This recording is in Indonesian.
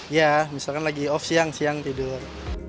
ya misalkan lagi off siang siang tidur